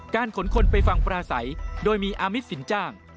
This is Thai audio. ขนคนไปฟังปราศัยโดยมีอามิตสินจ้าง